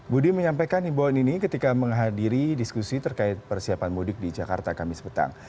budi menyampaikan himbauan ini ketika menghadiri diskusi terkait persiapan mudik di jakarta kamis petang